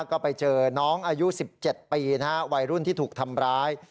ก็ไปเจอน้องอายุ๑๗ปีนะฮะวัยรุ่นที่ถูกทำร้าย